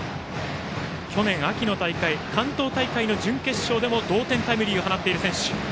去年秋の大会、関東大会の準決勝でも同点タイムリーを放っている選手。